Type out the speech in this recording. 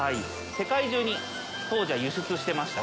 世界中に当時は輸出してました。